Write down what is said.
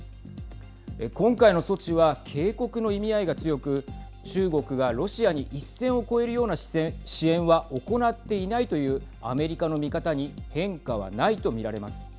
今回の措置は警告の意味合いが強く中国がロシアに一線を越えるような支援は行っていないというアメリカの見方に変化はないと見られます。